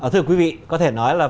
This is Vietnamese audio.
thưa quý vị có thể nói là